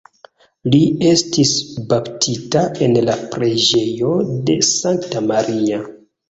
Li estis baptita en la Preĝejo de Sankta Maria.